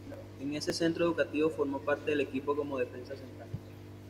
En ese centro educativo formó parte del equipo como defensa central.